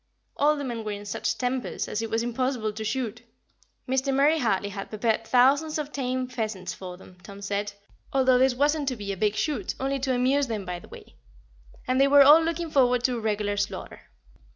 All the men were in such tempers, as it was impossible to shoot. Mr. Murray Hartley had prepared thousands of tame pheasants for them, Tom said, although this wasn't to be a big shoot, only to amuse them by the way; and they were all looking forward to a regular slaughter.